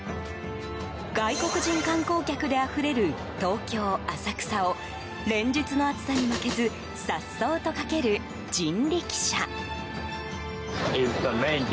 外国人観光客であふれる東京・浅草を連日の暑さに負けず颯爽と駆ける人力車。